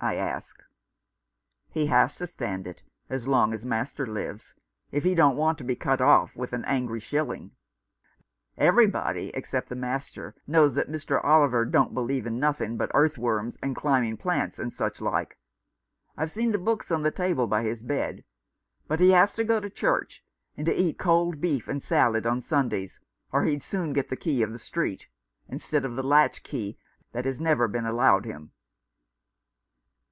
" I asked. " He has to stand it, as long as master lives, if he don't want to be cut off with an angry shilling. Everybody except the master knows that Mr. Oliver don't believe in nothing but earth worms and climbing plants, and such like — I've seen the books on the table by his bed — but he has to go to church, and to eat cold beef and salad on Sundays, or he'd soon get the key of the street, instead of the latch key that has never been allowed him."